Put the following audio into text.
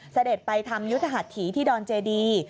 เสด็จไปทำยุทธหัสถีที่ดอนเจดี